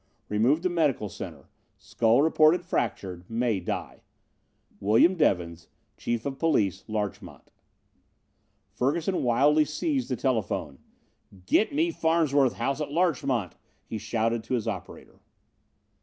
Removed to Medical Center. Skull reported fractured. May die. "William Devins, Chief of Police, Larchmont." Ferguson wildly seized the telephone. "Get me Farnsworth's house at Larchmont!" he shouted to his operator.